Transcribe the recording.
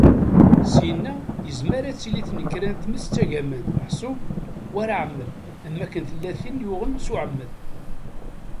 Syinna, yezmer ad tili tnekra n tmes d tagamant, meḥsub war aɛemmed, am wakken tella tin yuɣen s uɛemmed.